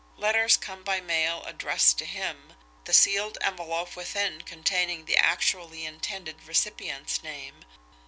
Letters come by mail addressed to him the sealed envelope within containing the actually intended recipient's name.